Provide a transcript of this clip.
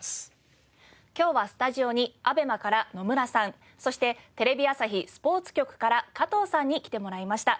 今日はスタジオにＡＢＥＭＡから野村さんそしてテレビ朝日スポーツ局から加藤さんに来てもらいました。